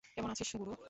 কেমন আছিস, গুরু?